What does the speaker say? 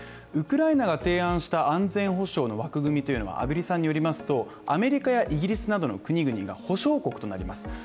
ウクライナが提案した安全保障の枠組みというのは畔蒜さんによりますと、アメリカやイギリスなどの国々は保証国となります。